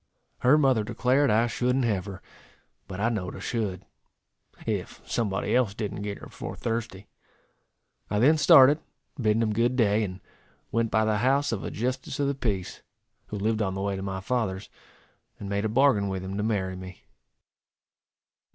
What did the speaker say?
Her mother declared I shouldn't have her; but I know'd I should, if somebody else didn't get her before Thursday. I then started, bidding them good day, and went by the house of a justice of the peace, who lived on the way to my father's, and made a bargain with him to marry me.